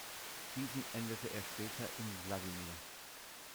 Diesen änderte er später in Wladimir.